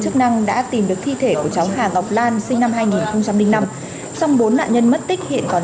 chức năng đã tìm được thi thể của cháu hà ngọc lan sinh năm hai nghìn năm song bốn nạn nhân mất tích hiện còn